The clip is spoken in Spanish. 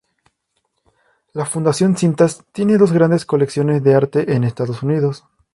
La Fundación Cintas tiene dos grandes colecciones de arte en Estados Unidos.